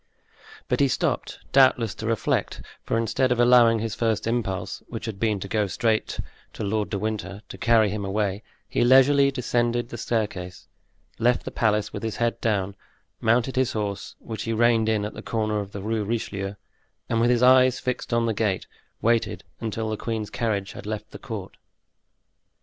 But he stopped, doubtless to reflect; for instead of allowing his first impulse, which had been to go straight to Lord de Winter, to carry him away, he leisurely descended the staircase, left the palace with his head down, mounted his horse, which he reined in at the corner of the Rue Richelieu, and with his eyes fixed on the gate, waited until the queen's carriage had left the court.